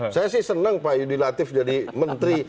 saya sih senang pak yudi latif jadi menteri